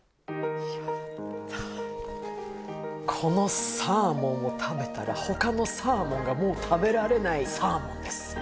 このサーモンを食べたら他のサーモンがもう食べられないサーモンです。